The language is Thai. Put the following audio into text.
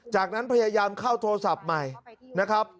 จากนั้นพยายามเข้าโทรศัพท์ใหม่นะครับ